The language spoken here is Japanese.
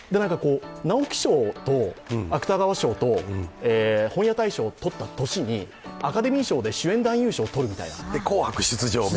直木賞と芥川賞と本屋大賞を取った後にアカデミー賞で主演男優賞を取るみたいな。